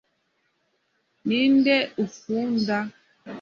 ninde ukunda